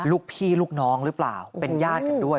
ลูกพี่ลูกน้องหรือเปล่าเป็นญาติกันด้วย